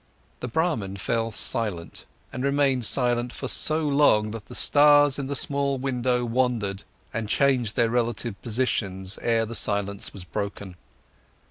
The Brahman fell silent, and remained silent for so long that the stars in the small window wandered and changed their relative positions, 'ere the silence was broken.